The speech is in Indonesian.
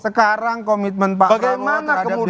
sekarang komitmen pak prabowo terhadap demokrasi itu